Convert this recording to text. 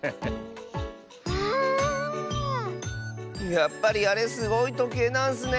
やっぱりあれすごいとけいなんスね。